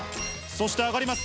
そして上がります。